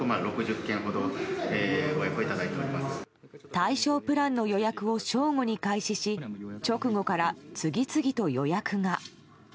対象プランの予約を正午に開始し直後から次々と予約が。